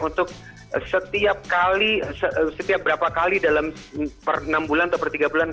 untuk setiap kali setiap berapa kali dalam per enam bulan atau per tiga bulan